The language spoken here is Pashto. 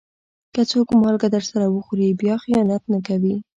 که څوک مالګه درسره وخوري، بیا خيانت نه کوي.